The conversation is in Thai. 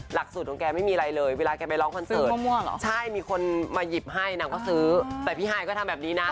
หลักสูตรของแกไม่มีอะไรเลยเวลาแกไปร้องคอนเสิร์ตใช่มีคนมาหยิบให้นางก็ซื้อแต่พี่ฮายก็ทำแบบนี้นะ